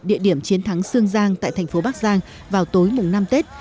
địa điểm chiến thắng sương giang tại thành phố bắc giang vào tối mùng năm tết